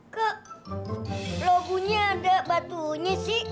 kek logonya ada batunya sih